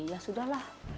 ya sudah lah